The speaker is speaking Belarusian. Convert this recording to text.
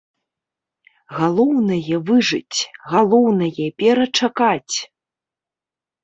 Галоўнае, выжыць, галоўнае, перачакаць!